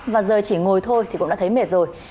và giờ chỉ ngồi thôi thì cũng đã thấy mệt rồi